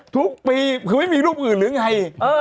ทุกปีคือไม่มีรูปอื่นหรือไง